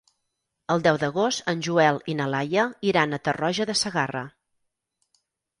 El deu d'agost en Joel i na Laia iran a Tarroja de Segarra.